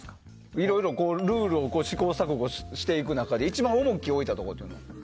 いろいろルールを試行錯誤していく中で一番重きを置いたというところは。